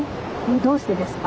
どうしてですか？